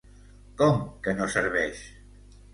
Com que no serveix?